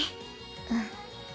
うん。